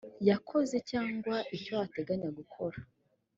yakoze cyangwa icyo ateganya gukora